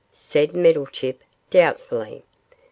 said Meddlechip, doubtfully.